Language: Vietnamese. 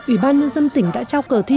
ủy ban nhân dân tỉnh đã trao cờ thi